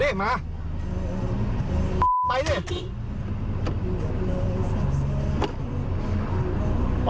ไหนรอไม่ได้ใช่ปะ